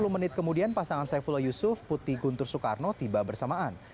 sepuluh menit kemudian pasangan saifullah yusuf putih guntur soekarno tiba bersamaan